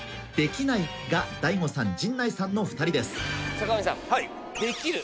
坂上さん「できる」。